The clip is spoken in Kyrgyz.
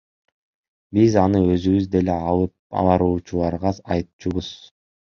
Биз аны өзүбүз деле алып баруучуларга айтчубуз.